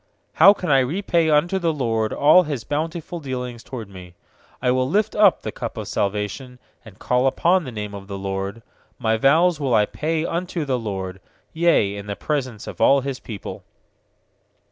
12How can I repay unto the LORD All His bountiful dealings toward me? 860 PSALMS 118 20 13I will lift up the cup of salvation, And call upon the name of the LORD. 14My vows will I pay unto the LORD, Yea, in the presence of all His people.